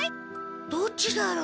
どっちだろう？